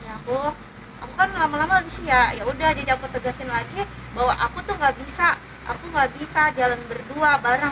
aku kan lama lama abisnya yaudah jadi aku tegasin lagi bahwa aku tuh gak bisa aku gak bisa jalan berdua bareng